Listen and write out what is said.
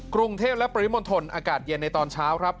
กรุงเทพและปริมณฑลอากาศเย็นในตอนเช้าครับ